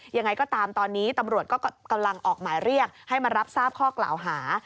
ยังไงก็ตามตอนนี้ตำรวจก็กำลังออกหมายเรียกให้มารับทราบข้อกล่าวหา